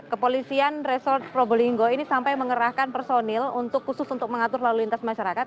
kepolisian resort probolinggo ini sampai mengerahkan personil untuk khusus untuk mengatur lalu lintas masyarakat